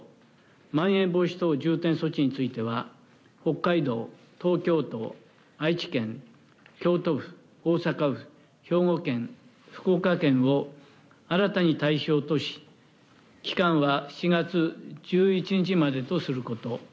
まん延防止等重点措置については北海道、東京都、愛知県、京都府大阪府、兵庫県、福岡県を新たに対象とし期間は７月１１日までとすること。